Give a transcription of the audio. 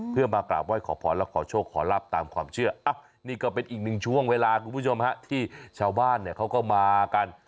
เพื่อมากราบไหว้ขอพรและขอโชคขอลาบตามความเชื่อนี่ก็เป็นอีกหนึ่งช่วงเวลาคุณผู้ชมฮะที่ชาวบ้านเนี่ยเขาก็มากัน